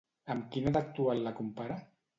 Amb quina d'actual la compara?